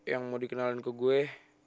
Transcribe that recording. yang mau dikenalin ke gue